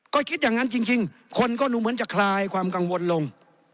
ก็คิดอย่างนั้นจริงคนก็ดูเหมือนจะคลายความกังวลลง